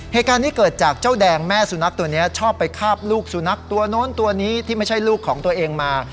เหตุการณ์นี้เกิดจากเจ้าแดงแม่สุนัขตัวนี้ชอบไปคาบลูกสุนัขตัวโน้นตัวนี้ที่ไม่ใช่ลูกของตัวเองมา